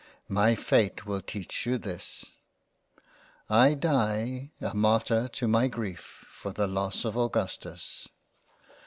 .. My fate will teach you this. . I die a Martyr to my greif for the loss of Augustus.